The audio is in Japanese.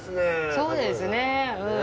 そうですねうん。